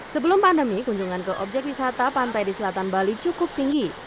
sebelum pandemi kunjungan ke objek wisata pantai di selatan bali cukup tinggi